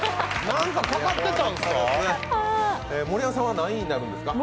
何かかかってたんですか？